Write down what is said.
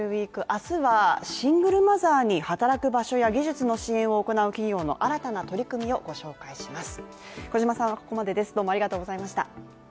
明日はシングルマザーに働く場所や技術の支援を行う企業の新たな取り組みをご紹介します。